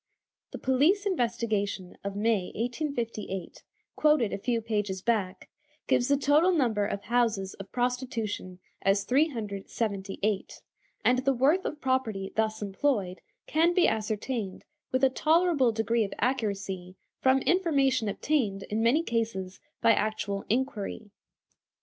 The police investigation of May, 1858, quoted a few pages back, gives the total number of houses of prostitution as 378, and the worth of property thus employed can be ascertained with a tolerable degree of accuracy from information obtained, in many cases, by actual inquiry.